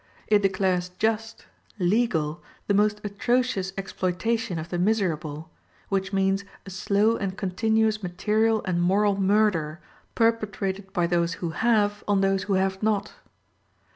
It declares just, legal, the most atrocious exploitation of the miserable, which means a slow and continuous material and moral murder, perpetrated by those who have on those who have not.